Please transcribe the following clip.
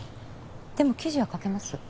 でも記事は書けます